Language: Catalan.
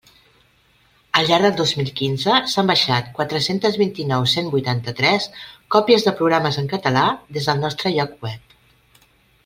Al llarg del dos mil quinze s'han baixat quatre-centes vint-i-nou cent vuitanta-tres còpies de programes en català des del nostre lloc web.